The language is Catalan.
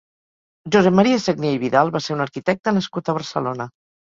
Josep Maria Sagnier i Vidal va ser un arquitecte nascut a Barcelona.